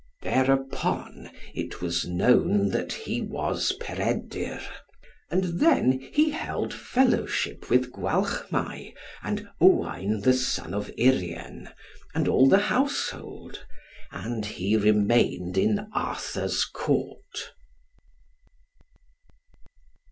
Thereupon it was known that he was Peredur. And then he held fellowship with Gwalchmai, and Owain the son of Urien, and all the household, and he remained in Arthur's Court.